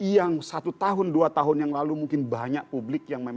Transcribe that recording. yang satu tahun dua tahun yang lalu mungkin banyak publik